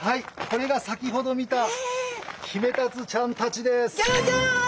これが先ほど見たヒメタツちゃんたちです。